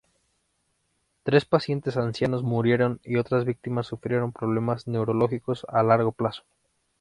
Tres pacientes ancianos murieron y otras víctimas sufrieron problemas neurológicos a largo plazo.